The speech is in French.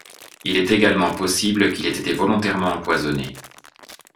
Il est également possible qu’il ait été volontairement empoisonné.